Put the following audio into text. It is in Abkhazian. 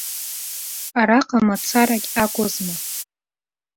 Араҟа мацарагьы акәызма!